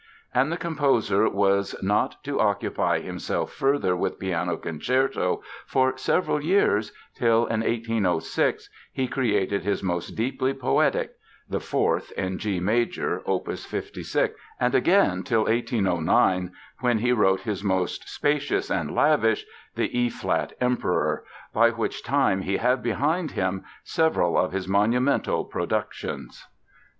And the composer was not to occupy himself further with piano concertos for several years till in 1806 he created his most deeply poetic (the Fourth, in G major, opus 56), and again till 1809, when he wrote his most spacious and lavish, the E flat ("Emperor"), by which time he had behind him several of his monumental productions.